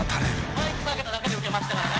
マイク下げただけでウケましたからね。